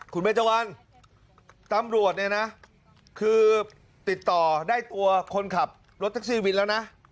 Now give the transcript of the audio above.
คุณเบจวันตำรวจเนี่ยนะคือติดต่อได้ตัวคนขับรถแท็กซี่วินแล้วนะ